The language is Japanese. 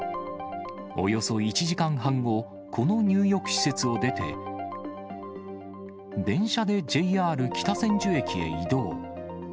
およそ１時間半後、この入浴施設を出て、電車でＪＲ北千住駅へ移動。